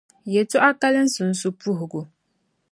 Yɛlitɔɣa kalinsi n-su puhigu.